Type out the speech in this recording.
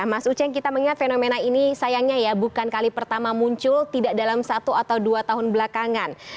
mas uceng kita mengingat fenomena ini sayangnya ya bukan kali pertama muncul tidak dalam satu atau dua tahun belakangan